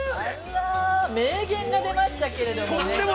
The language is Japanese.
◆名言が出ましたけれどもね。